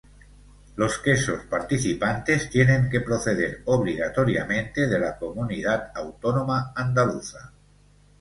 Los quesos participantes tienen que proceder obligatoriamente de la comunidad autónoma andaluza.